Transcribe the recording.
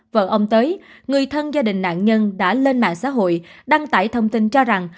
vợ ông tới người thân gia đình nạn nhân đã lên mạng xã hội đăng tải thông tin cho rằng